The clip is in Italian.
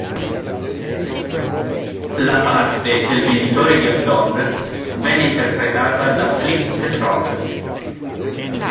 La parte del venditore di hot dog venne interpretata da Flip the Frog.